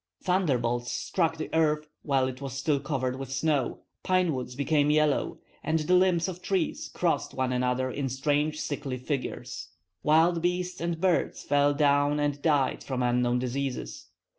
Thunderbolts struck the earth while it was still covered with snow, pine woods became yellow, and the limbs of trees crossed one another in strange sickly figures; wild beasts and birds fell down and died from unknown diseases.